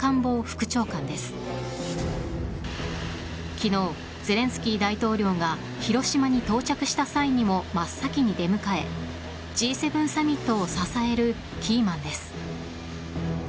昨日、ゼレンスキー大統領が広島に到着した際にもまっさきに出迎えＧ７サミットを支えるキーマンです。